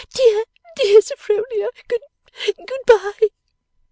Dear, dear Sophronia, good, good bye!